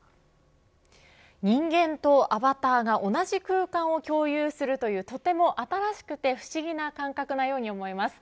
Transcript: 人間とアバターが同じ空間を共有するというとても新しくて不思議な感覚のように思います。